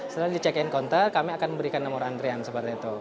setelah di check in counter kami akan memberikan nomor antrian seperti itu